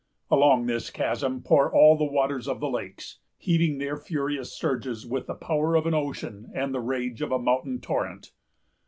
Along this chasm pour all the waters of the lakes, heaving their furious surges with the power of an ocean and the rage of a mountain torrent.